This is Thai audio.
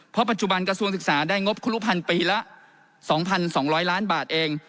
เพราะปัจจุบันกระทรวงศึกษาได้งบครุพันธ์ปีละ๒๒๐๐ล้านบาทเอง